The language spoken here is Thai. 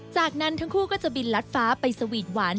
จากนั้นทั้งคู่ก็จะบินลัดฟ้าไปสวีทหวาน